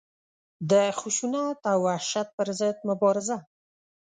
د خشونت او وحشت پر ضد مبارزه.